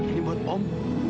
ini buat om